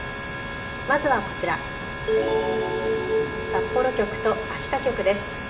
まずはこちら札幌局と秋田局です。